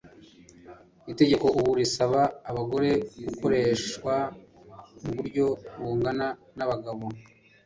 itegeko ubu risaba abagore gukoreshwa muburyo bungana nabagabo